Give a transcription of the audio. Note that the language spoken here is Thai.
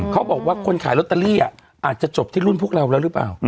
เขาบอกว่าคนขายลอตเตอรี่อาจจะจบที่รุ่นพวกเราแล้วหรือเปล่า